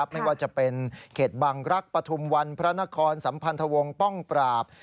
ไม่ว่าจะเป็นเขตบังรักษ์ปฐุมวันพระนครสัมพันธวงศ์ป้องปราบ